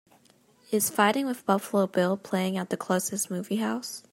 Is Fighting With Buffalo Bill playing at the closest movie house